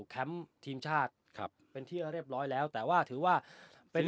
ทีมชาติครับเป็นที่เรียบร้อยแล้วแต่ว่าถือว่าเป็น